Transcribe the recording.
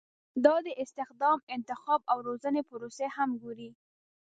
دا د استخدام، انتخاب او روزنې پروسې هم ګوري.